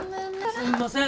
すんません